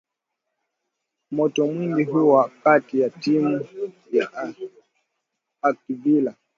moto mwingi huwa kati ya timu ya acvilla